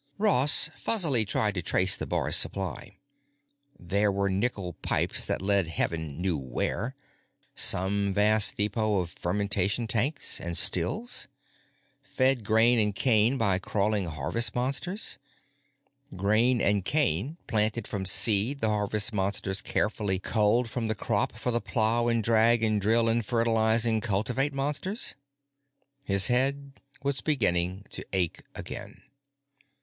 Ross fuzzily tried to trace the bar's supply. There were nickel pipes that led Heaven knew where. Some vast depot of fermentation tanks and stills? Fed grain and cane by crawling harvest monsters? Grain and cane planted from seed the harvest monsters carefully culled from the crop for the plow and drag and drill and fertilize and cultivate monsters? His head was beginning to ache again.